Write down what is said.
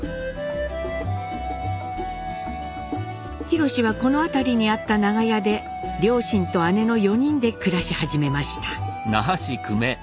廣はこの辺りにあった長屋で両親と姉の４人で暮らし始めました。